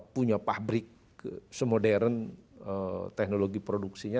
punya pabrik semodern teknologi produksinya